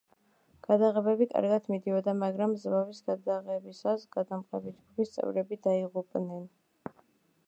გადაღებები კარგად მიდიოდა, მაგრამ ზვავის გადაღებისას გადამღები ჯგუფის წევრები დაიღუპნენ.